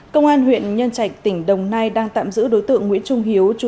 công an huyện nhân trạch tỉnh đồng nai đang tạm giữ đối tượng nguyễn trung hiếu